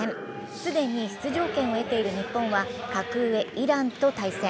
既に出場権を得ている日本は格上イランと対戦。